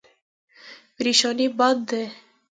پریشاني بد دی.